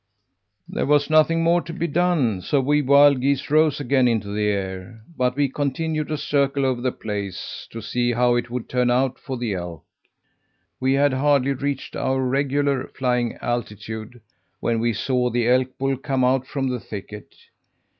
"There was nothing more to be done, so we wild geese rose again into the air. But we continued to circle over the place, to see how it would turn out for the elk. "We had hardly reached our regular flying altitude, when we saw the elk bull come out from the thicket.